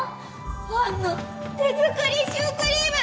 ファンの手作りシュークリーム。